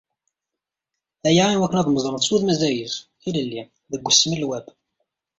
Aya i wakken ad mmeẓrent s wudem azayez, ilelli, deg usmel web.